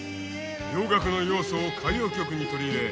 洋楽の要素を歌謡曲に取り入れ